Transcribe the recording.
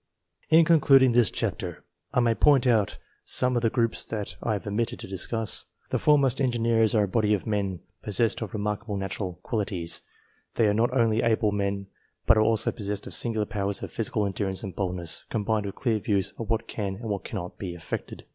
In concluding this chapter, I may point out some of COMPARISON OF RESULTS 323 the groups that I have omitted to discuss. The foremost Engineers are a body of men possessed of remarkable natural qualities; they are not only able men, but are also possessed of singular powers of physical endurance and of boldness, combined with clear views of what can and what cannot be effected.